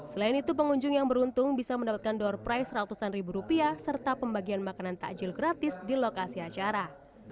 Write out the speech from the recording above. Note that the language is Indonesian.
selain itu pengunjung yang beruntung bisa mendapatkan door price ratusan ribu rupiah serta pembagian makanan takjil gratis di lokasi acara